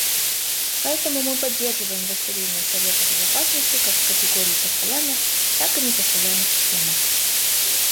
Поэтому мы поддерживаем расширение Совета Безопасности как в категории постоянных, так и непостоянных членов.